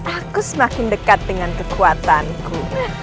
aku semakin dekat dengan kekuatanku